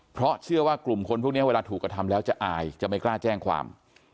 เพราะเชื่อว่ากลุ่มคนพวกนี้เวลาถูกกระทำแล้วจะอายจะไม่กล้าแจ้งความ